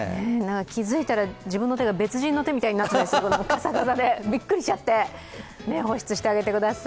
気付いたら自分の手が別人の手みたいになってました、カサカサでびっくりしちゃって、保湿してあげてください。